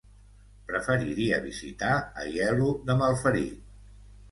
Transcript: Preferiria visitar Aielo de Malferit.